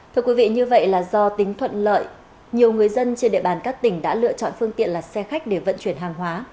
thưa quý vị như vậy là do tính thuận lợi nhiều người dân trên địa bàn các tỉnh đã lựa chọn phương tiện là xe khách để vận chuyển hàng hóa